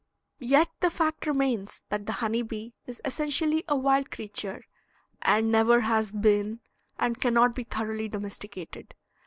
Yet the fact remains that the honey bee is essentially a wild creature, and never has been and cannot be thoroughly domesticated.